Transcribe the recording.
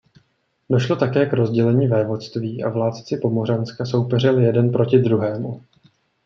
Došlo také k rozdělení vévodství a vládci Pomořanska soupeřili jeden proti druhému.